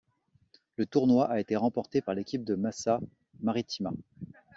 Le tournoi a été remporté par l'équipe de Massa Marittima.